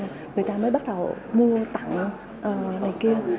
người ta mới bắt đầu mua tặng này kia